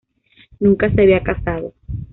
Nunca se había casado.